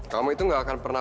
kamu itu nggak akan berjalan